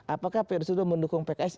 apakah pa dua ratus dua belas mendukung pks